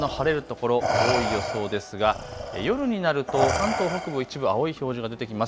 日中もこの晴れるところ、多い予想ですが夜になると関東北部一部、青い表示が出てきます。